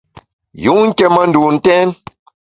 Yun nké ma ndun ntèn.